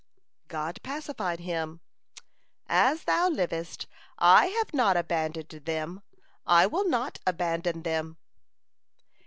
God pacified him: "As thou livest, I have not abandoned them, I will not abandon them."